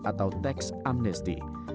atau tax amnesty